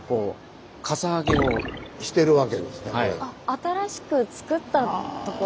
新しくつくったところ。